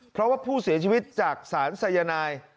เพราะว่าผู้เสียชีวิตจากสารสายนาย